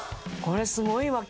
これすごいわ。